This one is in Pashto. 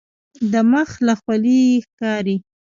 د مخ له خولیې یې ښکاري.